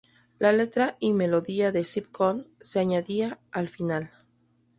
La letra y melodía de "Zip Coon" se añadía al final.